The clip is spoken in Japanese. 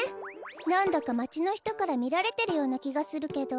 なんだかまちのひとからみられてるようなきがするけど。